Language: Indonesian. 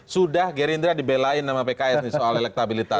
sudah gerindra dibelain nama pks soal elektabilitas